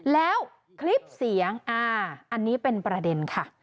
แล้วคลิปเสียงอันนี้เป็นประเด็นค่ะ